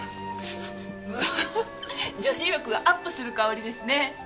わあ女子力がアップする香りですね。